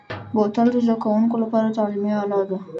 بوتل د زده کوونکو لپاره تعلیمي اله ده.